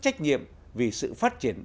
trách nhiệm vì sự phát triển